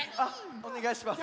おねがいします。